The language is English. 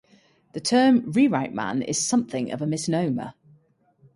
The term "rewrite man" is something of a misnomer.